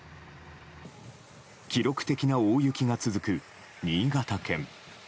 記録的な大雪が続く新潟県。